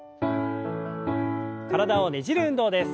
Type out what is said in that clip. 体をねじる運動です。